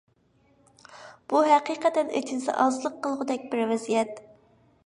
بۇ ھەقىقەتەن ئىچىنسا ئازلىق قىلغۇدەك بىر ۋەزىيەت.